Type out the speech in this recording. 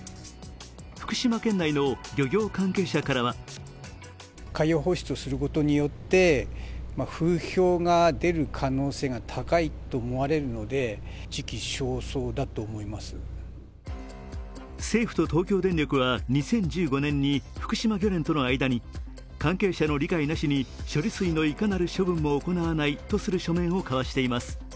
福島県内の漁業関係者からは政府と東京電力は２０１５年に福島漁連との間に関係者の理解なしに処理水のいかなる処分も行わないとする書面を交わしています。